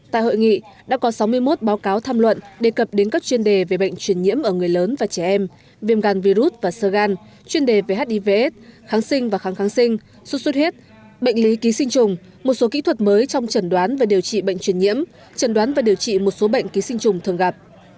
tại hội nghị đã có sáu mươi một báo cáo tham luận đề cập đến các chuyên đề về bệnh truyền nhiễm ở người lớn và trẻ em viêm gan virus và sơ gan chuyên đề về hivs kháng sinh và kháng kháng sinh xuất xuất huyết bệnh lý ký sinh trùng một số kỹ thuật mới trong trần đoán và điều trị bệnh truyền nhiễm trần đoán và điều trị một số bệnh ký sinh trùng thường gặp